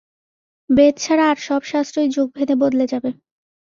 বেদ ছাড়া আর সব শাস্ত্রই যুগভেদে বদলে যাবে।